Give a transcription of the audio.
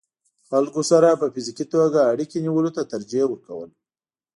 خلکو سره په فزيکي توګه اړيکې نيولو ته ترجيح ورکول